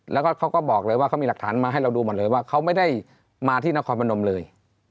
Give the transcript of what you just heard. แล้วก็เขาก็บอกเลยว่าเขามีหลักฐานมาให้เราดูหมดเลยว่าเขาไม่ได้มาที่นครพนมเลย